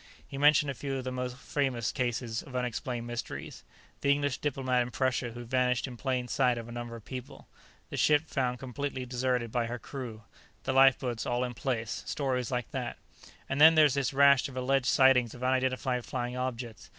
He mentioned a few of the more famous cases of unexplained mysteries the English diplomat in Prussia who vanished in plain sight of a number of people, the ship found completely deserted by her crew, the lifeboats all in place; stories like that. "And there's this rash of alleged sightings of unidentified flying objects.